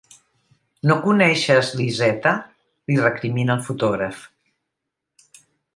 No coneixes l'Izeta? —li recrimina el fotògraf.